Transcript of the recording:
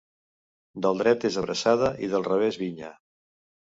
Del dret és abraçada i del revés vinya.